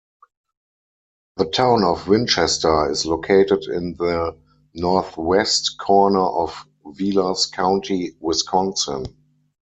The town of Winchester is located in the northwest corner of Vilas County, Wisconsin.